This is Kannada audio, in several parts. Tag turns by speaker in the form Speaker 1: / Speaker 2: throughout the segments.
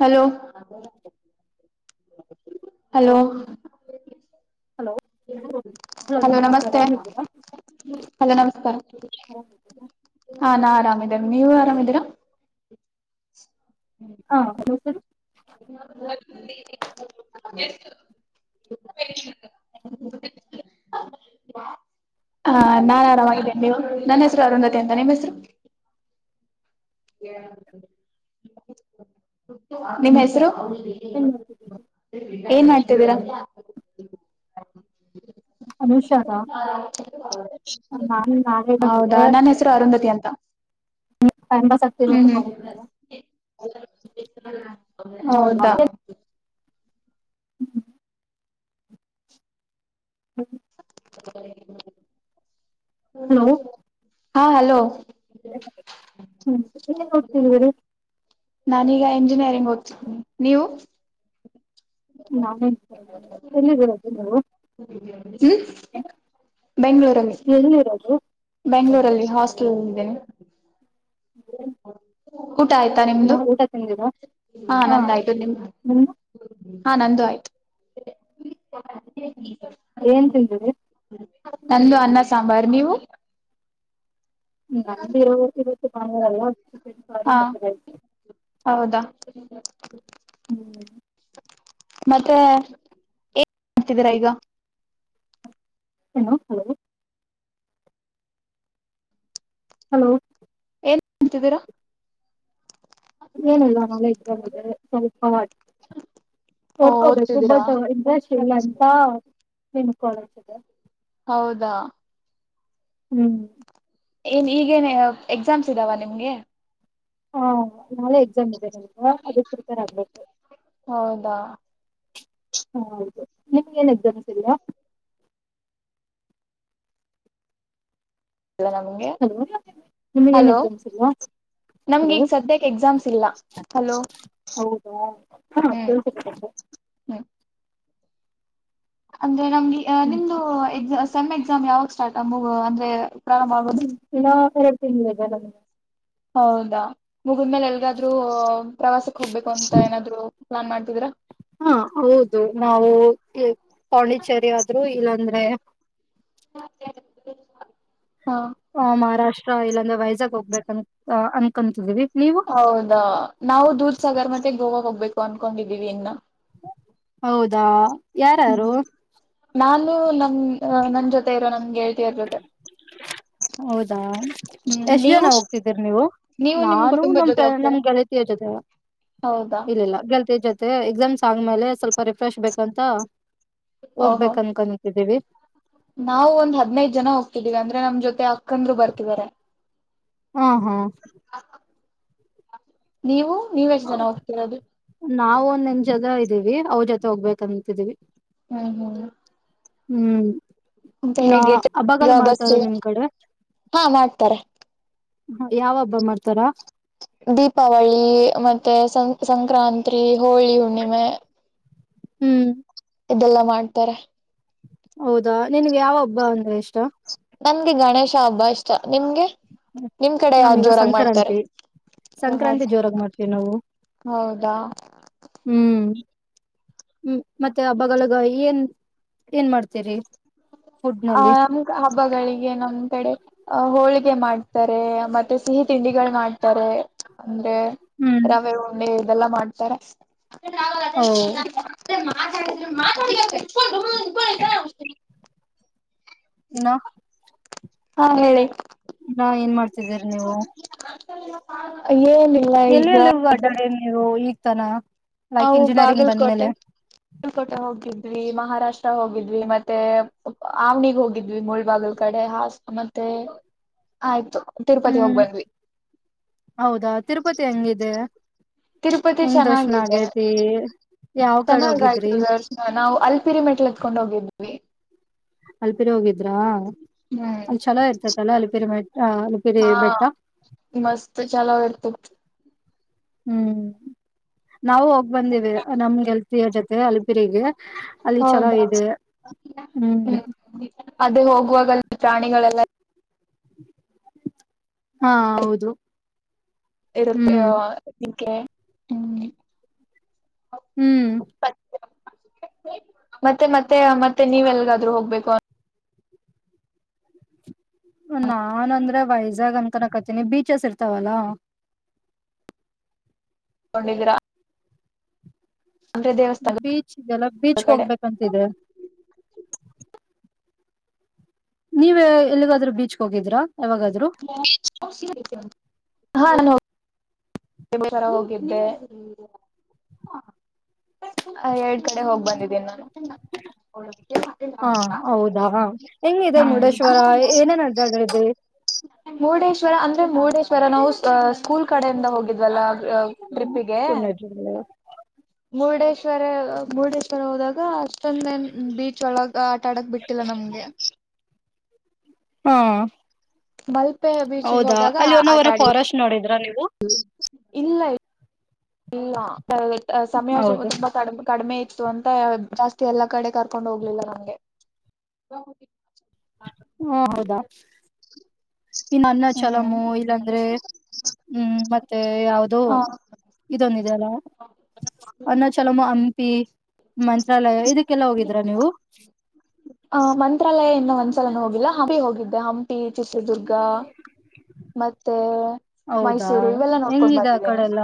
Speaker 1: ಹಲೋ ಹಲೋ
Speaker 2: ಹಲೋ
Speaker 1: ಹಲೋ
Speaker 2: ನಮಸ್ಕಾರ
Speaker 1: ನಮಸ್ತೆ
Speaker 2: ಆರಾಮಿದ್ದೀರಾ
Speaker 1: ಹಲೋ ನಮಸ್ಕಾರ ಹಾ ನಾ ಆರಾಮಿದ್ದೇನೆ ನೀವು ಆರಾಮಿದೀರಾ
Speaker 2: ಹಾ ಹ ಸ
Speaker 1: ಉಕ್ಷ ಹ ಹಾ ನಾನ್ ಆರಾಮಾಗಿದ್ದೇನೆ ನೀವು ನನ್ನ ಹೆಸರು ಅರುಂಧತಿ ಅಂತ ನಿಮ್ಮ್ ಹೆಸರು ಎ
Speaker 2: ಹನುಷ
Speaker 1: ಏನ್ ಮಾಡ್ತಿದ್ದೀರಾ
Speaker 2: ಅನುಷಾರಾ ನಾನು ನಾಳೆ
Speaker 1: ಹೌದಾ ನನ್ ಹೆಸರು ಅರುಂಧತಿ ಅಂತ
Speaker 2: ಹ ಮಪಸ್ ಆಗ್ತಲ್ಲತ್ತು
Speaker 1: ಹ್ಮ್
Speaker 2: ಕಜ
Speaker 1: ಹ್ಮ್
Speaker 2: ತ
Speaker 1: ಹೌದಾ
Speaker 2: ಹ್ಮ
Speaker 1: ಹಾ ಹಲೋ
Speaker 2: ಹ್ಮ
Speaker 1: ನಾನೀಗ ಎಂಜಿನಿಯರಿಂಗ್ ಓದ್ತಿದ್ದೀನಿ ನೀವು
Speaker 2: ನಾನ ಎಲ್ಲಿದ್ದೀರದು ನೀವು
Speaker 1: ಹ್ಮ್ ಬೆಂಗಗಳೂರಲ್ಲಿ
Speaker 2: ಎಲ್ಲಿರೋದು
Speaker 1: ಬೆಂಗಳೂರಲ್ಲಿ ಹಾಸ್ಟೆಲ್ ಇದೇನೆ
Speaker 2: ಹ್ಮ
Speaker 1: ಊಟ ಆಯ್ತಾ ನಿಮ್ದು ಹಾ ನಂದಾಯ್ತು
Speaker 2: ಆಯ್ತು
Speaker 1: ನಿಮ್ದ
Speaker 2: ನಿಮ್ದು
Speaker 1: ಹಾ ನಂದು ಆಯ್ತು
Speaker 2: ಏನ್ ತಿಂದಿರಿ
Speaker 1: ನಂದು ಅನ್ನ ಸಾಂಬಾರ್ ನೀವು
Speaker 2: ನ ಇವತ್ತು ಎಲ್ಲ ಮತ್ತ
Speaker 1: ಹ
Speaker 2: ಹ್ಮ್
Speaker 1: ಮತ್ತೆ ಏನ್ ಮಾಡ್ತಿದ್ದೀರಾ ಈಗ
Speaker 2: ಹಲೋ ಹಲೋ ಹಲೋ
Speaker 1: ಏನ್ ಅಂತಿದ್ದೀರಾ ಓ
Speaker 2: ಸಡ್ಕಬೇಕುಬ
Speaker 1: ಓದ್ತಿದ್ದೀರಾ
Speaker 2: ಅಂತ ನಿನ್ ಕಳಜ ಇದೆ
Speaker 1: ಹೌದಾ
Speaker 2: ಹ್ಮ್
Speaker 1: ಏನ್ ಈಗೇನ್ ಎಕ್ಸಾಮ್ಸ್ ಇದಾವ ನಿಮ್ಗೆ
Speaker 2: ಹ್ಮ ನಾಳೆ ಎಕ್ಸಾಮ್ ಇದೆ ನಿಮಗೆ ಅದು ಕುಡ್ತಾರ ಆಗ್ಬೇಕು
Speaker 1: ಹೌದಾ
Speaker 2: ಹ ಹೌದು ನಿಮ್ಗೆ ಏನ್ ಎಕ್ಸಾಮ್ಸ್ ಇದಯಾ
Speaker 1: ನಮ್ಗೆ
Speaker 2: ಹಲೋ ನಿಮ್ಗೆ ಏನ್
Speaker 1: ಹಲೋ
Speaker 2: ಎಕ್ಸಾಮ್ಸ್ ಇಲ್ಲ
Speaker 1: ನಮ್ಗೆ
Speaker 2: ಹಲೋ
Speaker 1: ಈಗ ಸದ್ಯಕ್ಕೆ ಎಕ್ಸಾಮ್ಸ್ ಇಲ್ಲ ಹಲೋ
Speaker 2: ಹೌದಾ ಹ
Speaker 1: ಹ್ಮ್ ಹ್ಮ್ ಅ ನಮ್ಗೆ ನಿಮ್ದು ಎಕ್ ಸೆಮ್ ಎಕ್ಸಾಮ್ ಯಾವಾಗ ಸ್ಟಾರ್ಟ್ ಮೂಗ ಅಂದ್ರೆ ಪ್ರಾರಂಭ ಆಗೋದು
Speaker 2: ತಿಂದಲ್ಲ
Speaker 1: ಹೌದಾ ಮುಗಿದ್ಮೇಲೆ ಎಲ್ಗಾದ್ ಪ್ರವಾಸಕ್ ಹೋಗ್ಬೇಕು ಅಂತ ಏನಾದ್ರು ನ್ನ್ ಮಾಡ್ತಿದ್ರಾ
Speaker 2: ಹಾ ಹೌದು ನಾವು ಪಾಂಡಿಚೇರಿ ಆದ್ರರು ಇಲ್ಲಾಂದ್ರೆ
Speaker 1: ಹ
Speaker 2: ಹ ಮಹಾರಾಷ್ಟ್ರ ಇಲ್ಲಾಂದ್ರೆ ವೈಜಾಗ್ ಹೋಗ್ಬೇಕ ಅನ್ಕಂತಿದೀವಿ
Speaker 1: ಹೌದಾ ನಾವು ದೂರ್ಸಾಗರ್ ಮತ್ತೆ ಗೋವಾ ಹೋಗ್ಬೇಕು ಅನ್ಕೊಂಡಿದ್ದೀವಿ ಇನ್ನ
Speaker 2: ಹೌದಾ ಯಾರಾರು
Speaker 1: ನಾನು ನಮ ನನ್ ಜೊತೆ ಇರೋ ನಮಗೆ ಹೇಳ್ತಯರ ಜೊತೆ
Speaker 2: ಹೌದಾ
Speaker 1: ಹ್ಮ್
Speaker 2: ಎಷ್ಟ್
Speaker 1: ನೀವು
Speaker 2: ಜನ ಹೋಗ್ತಿದ್ದೀರಿ ನೀವು
Speaker 1: ನೀವು ನಿಮ್
Speaker 2: ನಾನು
Speaker 1: ಕುಟುಂಬದ
Speaker 2: ನಮ್
Speaker 1: ಜೊತೆ ಹೋಗ್ತೀರಾ
Speaker 2: ನಮ್ ಗೆಣತಿಯ ಜೊತೆವ
Speaker 1: ಹೌದಾ
Speaker 2: ಇಲ್ಲಿಲ್ಲ ಜೊತೆ ಎಕ್ಸಾಮ್ಸ್ ಆದ್ಮೇಲೆ ಸ್ವಲ್ಪ ರಿಫ್ರೆಶ್ ಬೇಕಂತ
Speaker 1: ಓಹೋ
Speaker 2: ಹೋಗ್ಬೇಕ ಅನ್ಕನ ಇದ್ದೀವಿ
Speaker 1: ನಾವು ಒಂದ್ದ್ನೈದು ಜನ ಹೋಗ್ತಿದೀವಿ ಅಂದ್ರೆ ನಮ್ ಜೊತೆ ಆ ಅಕಂದ್ರು ಬರ್ತಾರೆ
Speaker 2: ಹಾ ಹಾ
Speaker 1: ನೀವು ನೀವೆ ಎಷ್ಟು ಜನ ಹೋಗ್ತಿರೋದು
Speaker 2: ನನ್ ಜದ ಇದೀವಿ ಅವ್ರ ಜೊತೆ ಹೋಗ್ಬೇಕಂತಿದಿವವಿ
Speaker 1: ಹ್ಮ್ ಹ್ಮ್
Speaker 2: ಹ್ಮ್
Speaker 1: ಮತ್ತೆ
Speaker 2: ಇನ್ನ
Speaker 1: ಹೇಗೆ
Speaker 2: ಹಬ್ಬಲ್
Speaker 1: ಈಗ ಬಸ್
Speaker 2: ಮಾಡ್ತಾರ ನಿಮ್ ಕಡ್ರ
Speaker 1: ಹಾ ಮಾಡ್ತಾರೆ
Speaker 2: ಹ ಯಾವ ಹಬ್ಬ ಮಾಡ್ತಾರಾ
Speaker 1: ದೀಪಾವಳಿ ಮತ್ತೆ ಸಂ ಸಂಕ್ರಾಂತಿ ಹೋಳಿ ಹುಣ್ಣಿಮೆ
Speaker 2: ಹ್ಮ್
Speaker 1: ಇದೆಲ್ಲಾ ಮಾಡ್ತಾರೆ
Speaker 2: ಹೌದಾ ನಿನ್ಗೆ ಯಾವ ಹಬ್ಬ ಅಂದ್ರೆ ಇಷ್ಟ
Speaker 1: ನನ್ಗೆ ಗಣೇಶ ಹಬ್ಬ ಇಷ್ಟ ನಿಮ್ಗೆ ನಿಮ ಕಡೆ ಯಾವ
Speaker 2: ನಮೀಗ
Speaker 1: ಜೋರಾಗ ಮಾಡ್ತಾರೆ
Speaker 2: ಸಂಕ್ರಾಂತಿ
Speaker 1: ಓ
Speaker 2: ಸಂಕ್ರಾಂತಿ ಜೋರಾಗಿ ಮಾಡ್ತೀವಿ ನಾವು
Speaker 1: ಹೌದಾ
Speaker 2: ಹ್ಮ ಮತ್ತೆ ಹಬ್ಬಗಲಗ ಏನ್ ಏನ್ ಮಾಡ್ತರಿ
Speaker 1: ಆ ನಮ್ ಹಬ್ಬಗಳಿಗೆ ನಮ ಕಡೆ ಹೋಳಿಗೆ ಮಾಡ್ತಾರೆ ಮತ್ತೆ ಸಿಹಿ ತಿಂಡಿಗಳು ಮಾಡ್ತಾರೆ ಉಂಡೆ
Speaker 2: ಹ್ಮ್
Speaker 1: ರವೆ ಉಂಡೆ ಇದೆಲ್ಲಾ ಮಾಡ್ತಾರೆ
Speaker 2: ಓ
Speaker 1: ಮಾತಾಡಿದ ಮಾತಕೊಂಡು ತಬಯತ
Speaker 2: ಇನ್ನ
Speaker 1: ಹಾ ಹೇಳಿ
Speaker 2: ನ ಏನ್ ಮಾಡ್ತಿದ್ದೀರಿ ನೀವು
Speaker 1: ಆಯೋ
Speaker 2: ಎಲ್ಲೆಲ್ಲಿ ಹೂ ಅಡ್ಡಾಡ ನೀವು ಈಗ್ತಾನ
Speaker 1: ನಾವು ಬಾಗಲ್ಕೋಟೆ ಬಾಗಲ್ಕೋಟೆ ಹೋಗ್ವಿ ಮಹಾರಾಷ್ಟ್ರ ಹೋಗಿದ್ವಿ ಮತ್ತೆ ಆವ್ನಿಗೆ ಹೋಗಿದ್ವಿ ಮುಳ್ಬಾಗಲ್ ಕಡೆ ಹ ಮತ್ತೆ ಆಯ್ತು ತಿರುಪತಿ ಹೋಗ್
Speaker 2: ಹ್ಮ್
Speaker 1: ಬಂದ್ವಿ
Speaker 2: ಹೌದಾ ತಿರುಪತಿ ಹೆಂಗಿದೆ
Speaker 1: ತಿರುಪತಿ
Speaker 2: ಹೆಂಗ್ ದರ್ಶನ
Speaker 1: ಚೆನ್ನಾಗಿದೆ
Speaker 2: ಆಗೈತಿ ಯಾವ್ ಕಡೆ
Speaker 1: ಚೆನ್ನಾಗಯ್ತು
Speaker 2: ಹೋಗಿದ್ರಿ
Speaker 1: ದರ್ ನಾವು ಅಲ್ಪಿರಿಮೆಟ್ಲ್ ಎತ್ಕೊಂಡ್ ಹೋಗಿದ್ವಿ
Speaker 2: ಅಲ್ಪಿರಿ ಹೋಗಿದ್ರಾ ಅಲ್ಲಿ ಚಛಲೋ ಇರ್ತತಲ್ಲಾ ಅಲ್ಪಿರಿ ಮ
Speaker 1: ಹಾ ಮಸ್ತ ಚಲ ಆಡ್ತ
Speaker 2: ಹ್ಮ್ ನಾವವು ಹೋಗ್ ಬಂದಿವವಿ ನಮ್ಗೆಲ್ತಿಯ ಜೊತೆ ಅಲಪಿರಿಗೆ
Speaker 1: ಹೌದಾ
Speaker 2: ಹ್ಮ್
Speaker 1: ಹ್ಮ ಅದೇ ಹೋಗುವಾಗಲ್ಲ ಪ್ರಾಣಿಗಳೆಲ್ಲ
Speaker 2: ಹಾ ಹೌದು
Speaker 1: ಇರುತ್ತೆ
Speaker 2: ಹ್ಮ್
Speaker 1: ಇದಕ್ಕೆ ಹ್ಮ್
Speaker 2: ಹ್ಮ್
Speaker 1: ಮತ್ತೆ ಮತ್ತೆ ಮತ್ತೆ ನೀವೆ ಎಲ್ಗಾದ್ ಹೋಗ್ಬೇಕು
Speaker 2: ನಾ ಅಂದ್ರೆ ವೈಜಾಗ್ ಅಂತನ ಕತೀನಿ ಬೀಚಸ್ ಇರ್ತವಲ್ಲ
Speaker 1: ಡಿದರ
Speaker 2: ಬೀಚ್ ಇಯಲ್ಲ ಬೀಚ್
Speaker 1: ಕಡೆ
Speaker 2: ಹೋಗ್ಬೇಕಂತಿದೆ ನೀವ ಎಲ್ಲಿಗಾದ್ರೂ ಬೀಚ್ಗೆ ಹೋಗಿದ್ರಾ ಯಾವಾಗಾದ್ರೂ
Speaker 1: ಹಾ ಹ ತರ ಹೋಗಿದ್ದೆಮ ಎರಡ್ ಕಡೆ ಹೋಗ್ ಬಂದಿದ್ದೀನಿ ನಾನು
Speaker 2: ಹಾ
Speaker 1: ಭ
Speaker 2: ಹೌದಾ ಹೆಂಗಿದೆ ಮುರುಡೇಶ್ವರ ಏನೇನ್ ಅಡ್ಡಾಡಿದ್ರಿ
Speaker 1: ಮುರುಡೇಶ್ವರ ಅಂದ್ರೆ ಮುರುಡೇಶ್ವರ ನಾವು ಸ್ಕೂಲ್ ಕಡೆಯಿಂದ ಟ್ರಿಗೆ ವರೆ ಮೂರು ದೇಸರ ಹೋದಾಗ ಅಷ್ಟೊಂದನ್ ಬೀಚ್ ಒಳಗ ಆಟ ಆಡಕ್ ಬಿಟ್ಟಿಲ್ಲ ನಮ್ಗೆ
Speaker 2: ಹಾ
Speaker 1: ಮಲ್ಪೆ ಬೀಚ್ಗೆ
Speaker 2: ಹೌದಾ
Speaker 1: ಹೋದಾಗ
Speaker 2: ಅಲ್ಲಿ
Speaker 1: ಆಟ
Speaker 2: ಒನ್ನವರ
Speaker 1: ಆಡಿ
Speaker 2: ಫಾರೆಸ್ಟ್ ನೋಡಿದ್ರಾ ನೀವು
Speaker 1: ಇಲ್ಲ ಇಲ್ಲ ಸಮಯ
Speaker 2: ಹೌದು
Speaker 1: ತುಂಬಾ ಕಮ ಕಡಿಮೆ ಆಐ ಇತ್ತು ಅಂತ ಜಾಸ್ತಿ ಎಲ್ಲಾ ಕಡೆ ಕರ್ಕೊಂಡ್ ಹೋಗ್ಲಿಲ್ಲ ನಂಗೆ ಹ
Speaker 2: ಹ ಹೌದಾ ಇನ್ನು ಅನ್ನ ಚಛಲಮು ಇಲ್ಲಾಂದ್ರೆ ಹ್ಮ್ ಮತ್ತೆ ಯಾವವುದೋ
Speaker 1: ಹ
Speaker 2: ಇದೊಂದ ಅನ್ನ ಚಲಮ್ಮ ಹಂಪಿ ಮಂತ್ರಾಲಯ ಇದಕ್ಕೆಲ್ಲಾ ಹೋಗಿದೀರಾ ನೀವು
Speaker 1: ಆ ಮಂತ್ರಾಲಯ ಇನ್ನೂ ಒಂದ್ಸಲನ ಹೋಗಿಲ್ಲ ಹಂಪಿ ಹೋಗಿದ್ದೆ ಹಂಪಿ ಚಿತ್ರದುರ್ಗ ಮತ್ತೆ
Speaker 2: ಹೌದಾ
Speaker 1: ಮೈಸೂರು ಇವೆಲ್ಲ ನೋಡ್ಕೊಂಡ
Speaker 2: ಹೆಂಗಿದೆ ಆ
Speaker 1: ಬಂದಿದ್ದೀನಿ
Speaker 2: ಕಡೆ ಎಲ್ಲ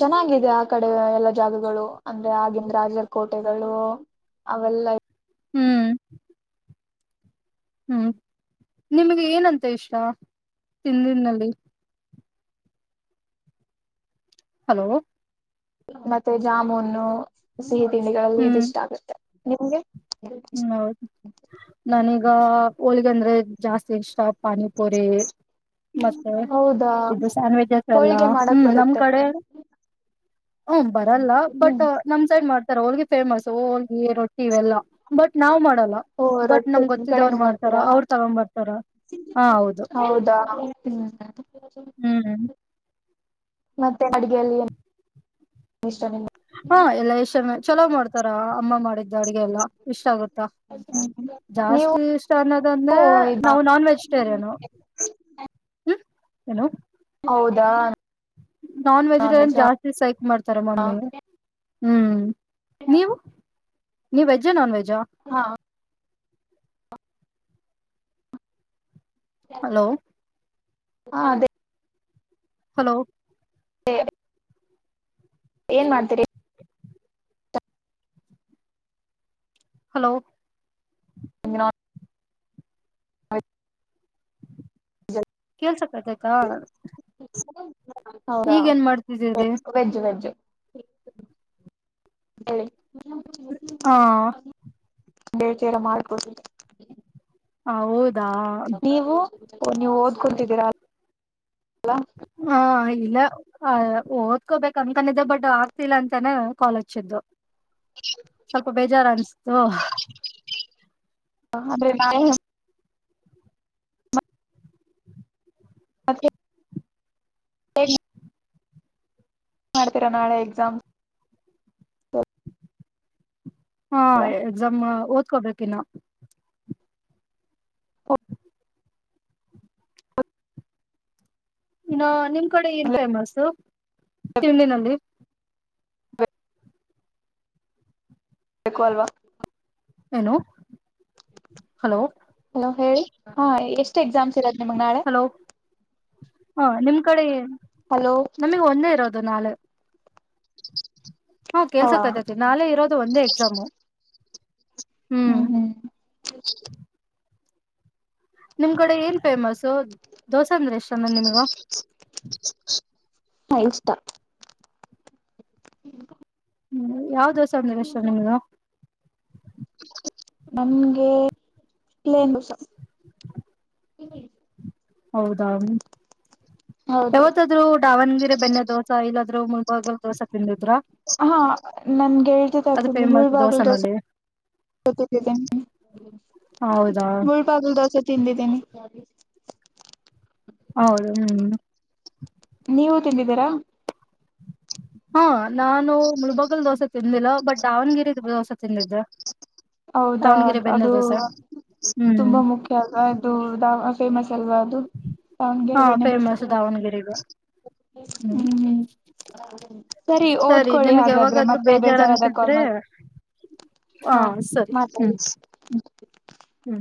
Speaker 1: ಚೆನ್ನಾಗಿದೆ ಆ ಕಡೆ ಎಲ್ಲ ಜಾಗಗಳು ಅಂದ್ರೆ ಆಗಿಂದ ರಾಜರಕೋಟೆಗಳು ಅವೆಲ್ಲ
Speaker 2: ಹ್ಮ್ ಹ್ಮ್ ನಿಮ್ಗೆ ಏನಂತ ಇಷ್ಟ ತಿದಿನಲ್ಲಿ ಹಲೋ
Speaker 1: ಮತ್ತೆ ಜಾಮೂನು ಸಿಹಿ ತಿಂಡಿಗಳಲ್ಲಿ ಇದಿಷ್ಟ ಆಗುತ್ತೆ ನಿಮ್ಗೆ
Speaker 2: ಹ್ಮ ಹೌದು ನಾನೀಗ ಹೋಳಗ ಅಂದ್ರೆ ಜಾಸ್ತಿ ಇಷ್ಟ ಪಾನಿಪುರಿ ಮತ್ತೆ
Speaker 1: ಹೌದಾ
Speaker 2: ಇದು ಸ್ಯಾಂಡ್ವಿಜ್ ಹತ್ರಲ್ಲ
Speaker 1: ಹೋಳಿಗೆ ಮಾಡಕ್
Speaker 2: ಹ್ಮ್ ನಮ್
Speaker 1: ಬರುತ್ತೆ
Speaker 2: ಕಡೆ
Speaker 1: ನಿಮ್ಗೆ
Speaker 2: ಹ ಬರಲ್ಲ ಬಟ್
Speaker 1: ಹ್ಮ್
Speaker 2: ನಮ್ ಸೈಡ್ ಮಾಡ್ತಾರ ಹೋಲ್ಗೆ ಫೇಮಸ್ ಹ ರೊಟ್ಟಿ ಇವೆಲ್ಲ ಬಟ್ ನಾವ್ ಮಾಡ
Speaker 1: ಓ ರೊಟ್ಟೆ ನಿಮ್ ಕಡೆನು ಮಾಡ್ತೀರಾ
Speaker 2: ಅವ್ರು ತಗೊಂಡ್ ಬರ್ತಾರ ಹಾ ಹೌದು
Speaker 1: ಹೌದಾ ಹ್ಮ
Speaker 2: ಹ್ಮ್
Speaker 1: ಮತ್ತೆ ಅಡ್ಗೆಯಲ್ಲಿ
Speaker 2: ಹಾ ಎಲ್ಲಾ ಎಷ್ಟ ಚಲೋ ಮಾಡ್ತಾರ ಅಮ್ಮ ಮಾಡಿದ್ದ ಅಡಗೆ ಎಲ್ಲಾ ಇಷ್ಟ ಆಗುತ್ತಾ
Speaker 1: ಹ್ಮ್. ನೀವು
Speaker 2: ಜಾಸ್ತಿ ಇಷ್ಟ ಅನ್ನೋದ ಅಂದ್ರೆ ನಾವು ನಾನ್ ವೆಜಿಟೇರಿಯನು
Speaker 1: ಹ
Speaker 2: ಏನು
Speaker 1: ಹೌದಾ
Speaker 2: ನಾನ್ ವೆಜಿಟೇರಿಯನ್
Speaker 1: ವೆಜ್ ಹಾ
Speaker 2: ಜಾಸ್ತಿ ಸೈಕ್ ಮಾಡ್ತಾರೆ ಮೊಮ್ಮಿ ಹ್ಮ್ ನೀವು ನೀವು ವೆಜ್ ನಾನ್ ವೆಜ್
Speaker 1: ಹಾ
Speaker 2: ಹಲೋ
Speaker 1: ಹಾ ಅದೇ
Speaker 2: ಹಲೋ
Speaker 1: ಹ ಏನ್ ಮಾಡ್ತೀರಿ
Speaker 2: ಹಲೋ
Speaker 1: ನಿ ಹಯ
Speaker 2: ಕೇಲ್ಸಕ್ಕತತಾ
Speaker 1: ಹೌದಾ ವೆಜ್ ವೆಜ್ ಹಿ
Speaker 2: ಹಾ
Speaker 1: ಬೇಡ್ತ ಎಲ್ಲ ಮಾಡ್ಕೊಡ್
Speaker 2: ಹೌದಾ
Speaker 1: ನೀವು ನೀವು ಓದ್ಕೊತಿದ್ದೀರಾ ಅಲ
Speaker 2: ಹ ಇಲ್ಲ ಓದ್ಕೋಬೇಕ ಅಂದಕ ಬಟ್ ಆಗ್ತಿಲ್ಲ ಅಂತಾನ ಕಾಲೋಚ್ಚಿದ್ದು ಸ್ವಲ್ಪ ಬೇಜಾರು ಅನ್ಸ್ತು
Speaker 1: ಹ್ರೆ ನ ಮತ್ತೆ ಸರಿ ಮಾಡ್ತೀರಾ ನಾಳೆ ಎಕ್ಸಾಮ್
Speaker 2: ಹಾ ಎಕ್ಸಾಮ್ ಓದ್ಕೋಬೇಕ ಇನ್ನು ಇನ್ನ ನಿಮ್ ಕಡೆ ಏನ್ ಫೇಮಸ್ ತಿಂಡಂಡಿನಲ್ಲಿ
Speaker 1: ಬು ಅಲ್ವಾ
Speaker 2: ಏನು ಹಲೋ
Speaker 1: ಹಲೋ ಹೇಳಿ ಹಾ ಎಷ್ಟು ಎಕ್ಸಾಮ್ಸ್ ಚರ ಮ ನಾಳೆ
Speaker 2: ಹಾ ನಿಮ್ ಕಡೆ
Speaker 1: ಹಲೋ
Speaker 2: ನಮಗ್ ಒಂದೇ ಇರೋದು ನಾಲ್ ಹಾ
Speaker 1: ಹ
Speaker 2: ಕೆಲ್ಸಕ್ ಆತತಿ ನಳೆ ಇರೋದು ಒಂದೇ ಎಕ್ಸಾಮು
Speaker 1: ಹ್ಮ್ ಹ್ಮ್
Speaker 2: ನಿಮ್ ಕಡೆ ಏನ್ ಫೇಮಸ್ ದೋಸೆ ಅಂದ್ರೆ ಎಷ್ಟಂದ ನಿಮಗ
Speaker 1: ಫೈನ್ ಸ್ಟಾರ್
Speaker 2: ಹ್ಮ್ ಯಾವ ದೋಸ ಅಂದ್ರ ಅಷ್ಟೋ ನಿಮ್ಗ
Speaker 1: ನನ್ಗೆ ಕಲನುಸ ಹ್ಮ್
Speaker 2: ಹೌದಾ
Speaker 1: ಹೌದೌದು
Speaker 2: ಯಾವತ್ತಾದ್ ದಾವಣಗೆರೆ ಬೆನ್ನೆ ದೋಸೆ ಇಲ್ಲಾದ್ರೂ ಹೋಗ ದಸ ತಿದ
Speaker 1: ಹಾ ನನ್ಗೆ ಹೇಳ್ತತೆ
Speaker 2: ಅದು
Speaker 1: ತಿ
Speaker 2: ಫೇಮಸ್
Speaker 1: ಹಳ್ವಾಗಲ್
Speaker 2: ದೋಸೆನಲ್ಲಿ ಹೌದಾ
Speaker 1: ಮೂಳ ಪಾಗಲ್ ದಸ ತನ್ಲ್ಲಿತೆ
Speaker 2: ಹೌದು ಹ್ಮ್
Speaker 1: ನೀವು ತಿಂದಿದ್ದೀರಾ
Speaker 2: ಹಾ ನಾನು ಮುಲ್ಬಗಲ್ ದೋಸೆ ತಿಂದಿಲ್ಲ ಬಟ್ ದಾವಣಗಿರೆ ದೋಸೆ ತಿಂದಿದ್ರೆ
Speaker 1: ಹೌದಾ ಅದು
Speaker 2: ಹ್ಮ್
Speaker 1: ತುಂಬಾ ಮುಖ್ಯ ಅ ಇದು ಫೇಮಸ್ ಸಲವದು
Speaker 2: ಹಾ
Speaker 1: ದಾವಣಗೆರೆ ಬೆಣ್ಣ
Speaker 2: ಫೇಮಸ್ ದಾವಣಗೆರೆಗೆ
Speaker 1: ಹ್ಮ್ ಹ್ಮ ಸರಿ ಓದ್ಕೊಳ್ಳಿ
Speaker 2: ನಿಮ್ಗೆ
Speaker 1: ಹಾಗಾದ್ರೆ
Speaker 2: ಯಾವಾಗಾದ್ರೂ
Speaker 1: ಮತ್ತೆ ಬೇಜಾರಾದಾಗ ಕಾಲ್ ಮಾಡಿ
Speaker 2: ಹಾ ಸರಿ
Speaker 1: ಹಾ
Speaker 2: ಹ್ಮ